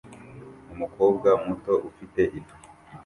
Umukobwa muto ufite ifu